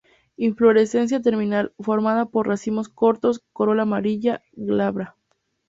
Inflorescencia terminal, formada por racimos cortos. Corola amarilla, glabra.